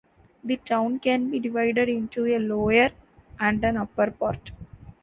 The town can be divided into a lower and an upper part.